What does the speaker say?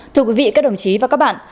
thưa quý vị các đồng chí và các bạn